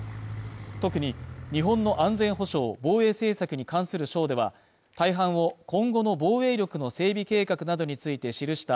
特に日本の安全保障・防衛政策に関する章では大半を今後の防衛力の整備計画などについて記した